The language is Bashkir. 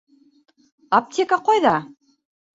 Аптека ҡайҙа?